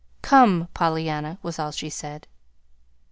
"Come, Pollyanna," was all she said.